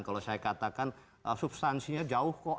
kalau saya katakan substansinya jauh kok